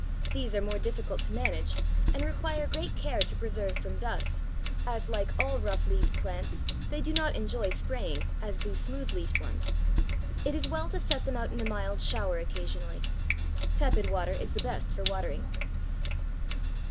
These are more difficult to manage, and require great care to preserve from dust, as like all rough leaved plants, they do not enjoy spraying, as do smooth leaved ones. It is well to set them out in a mild shower occasionally. Tepid water is the best for watering.